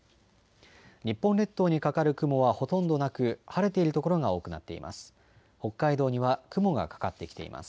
日本列島にかかる雲はほとんどなく、晴れている所が多くなっています。